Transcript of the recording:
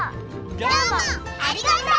どうもありがとう！